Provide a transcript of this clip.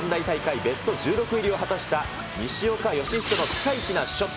ベスト１６入りを果たした西岡良仁のピカイチなショット。